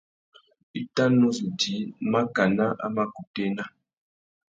I tà nu zu djï makana a mà kutu ena.